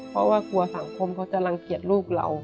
เพราะว่ากลัวสังคมเขาจะรังเกียจลูกเรา